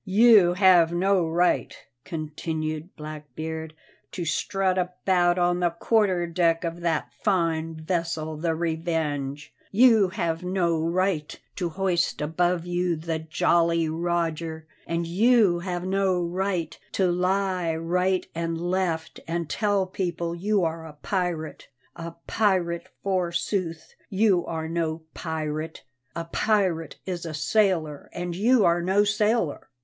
"You have no right," continued Blackbeard, "to strut about on the quarter deck of that fine vessel, the Revenge; you have no right to hoist above you the Jolly Roger, and you have no right to lie right and left and tell people you are a pirate. A pirate, forsooth! you are no pirate. A pirate is a sailor, and you are no sailor!